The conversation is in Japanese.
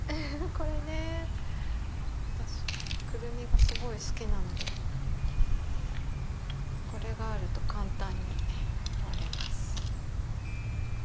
これね私くるみがすごい好きなのでこれがあると簡単に割れます。